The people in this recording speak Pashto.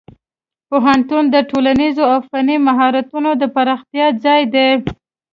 پوهنتون د ټولنیزو او فني مهارتونو د پراختیا ځای دی.